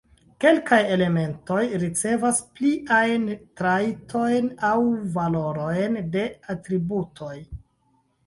Kelkaj elementoj ricevas pliajn trajtojn aŭ valorojn de atributoj.